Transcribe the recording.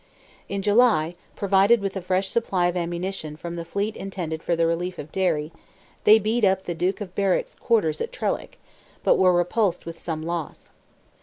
In July, provided with a fresh supply of ammunition from the fleet intended for the relief of Derry, they beat up the Duke of Berwick's quarters at Trellick, but were repulsed with some loss.